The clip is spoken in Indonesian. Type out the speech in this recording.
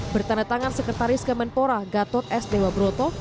bertandatangan sekretaris kemenpora gatot s dewa broto